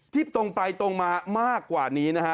ตรงไปตรงมามากกว่านี้นะฮะ